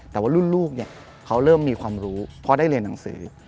แต่ว่ารุ่นลูกเนี่ยเขาเริ่มมีความรู้เพราะได้เรียนหนังสือ